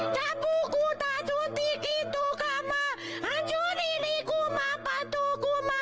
ทัศุกุทัศุทิกิตุกะมาทั้งสุขทัศุนิกุมะทัศุกุมะ